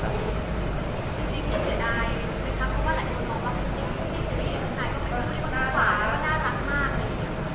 เพราะว่าหลายคนบอกว่าคุณจริงทุกอย่างน้องนายก็ไม่คุยกับทุกผ่าน